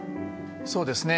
そうですね。